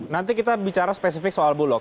nanti kita bicara spesifik soal bulog